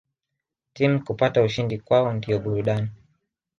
Timu kupata ushindi kwao ndio burudani